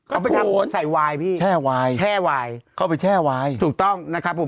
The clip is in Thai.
เอาไปทำใส่ไวล์พี่แช่ไวล์ถูกต้องนะครับผม